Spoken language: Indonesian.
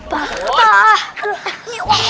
bangun bangun bangun